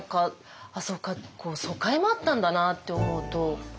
ああそうか疎開もあったんだなって思うと。